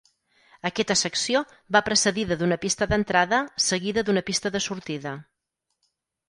Aquesta secció va precedida d'una pista d'entrada, seguida d'una pista de sortida.